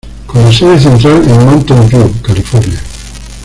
Con la sede central en Mountain View, California.